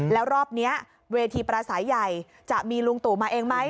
แล้วรอบนี้เวทีปราศัยใหญ่จะมีลุงตู่มาเองไหม